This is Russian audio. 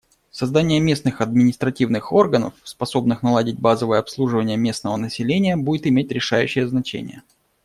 Создание местных административных органов, способных наладить базовое обслуживание местного населения, будет иметь решающее значение.